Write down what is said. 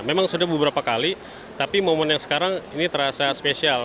memang sudah beberapa kali tapi momen yang sekarang ini terasa spesial